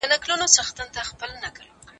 زکات د فقر علاج دی.